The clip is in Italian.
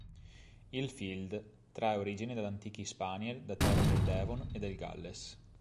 Il "Field" trae origine da antichi Spaniel da terra del Devon e del Galles.